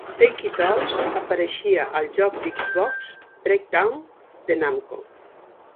"Take it All" apareixia al joc d'Xbox "Breakdown" de Namco.